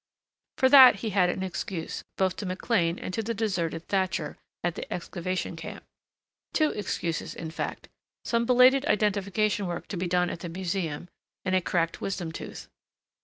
For that he had an excuse, both to McLean and to the deserted Thatcher, at the excavation camp, two excuses in fact some belated identification work to be done at the Museum and a cracked wisdom tooth.